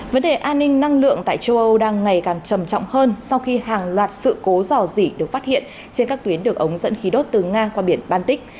vấn đề an ninh năng lượng tại châu âu đang ngày càng trầm trọng hơn sau khi hàng loạt sự cố dò dỉ được phát hiện trên các tuyến đường ống dẫn khí đốt từ nga qua biển baltic